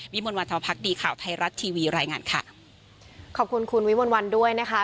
วันธรรมพักดีข่าวไทยรัฐทีวีรายงานค่ะขอบคุณคุณวิมวลวันด้วยนะคะ